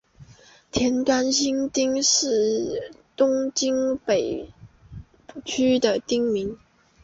田端新町是东京都北区的町名。